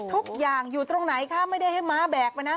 ทุกอย่างอยู่ตรงไหนคะไม่ได้ให้ม้าแบกมานะ